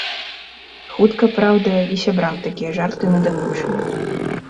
Хутка, праўда, і сябрам такія жарты надакучылі.